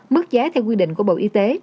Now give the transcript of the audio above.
mức giá theo quy định của bộ y tế